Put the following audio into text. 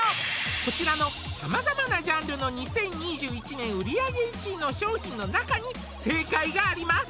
こちらの様々なジャンルの２０２１年売り上げ１位の商品の中に正解があります